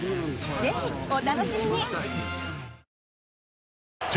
ぜひお楽しみに！